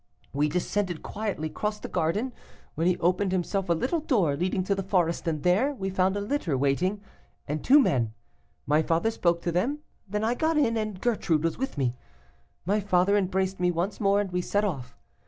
We descended quietly, crossed the garden, when he opened himself a little door leading to the forest, and there we found a litter waiting, and two men; my father spoke to them, then I got in, and Gertrude with me. "My father embraced me once more, and we set off.